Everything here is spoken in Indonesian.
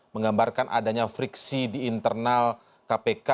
menggambarkan adanya friksi di internal kpk